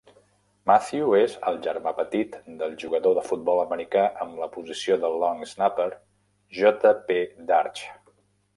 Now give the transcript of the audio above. Mathieu és el germà petit del jugador de futbol americà amb la posició de "long snapper", J. P. Darche.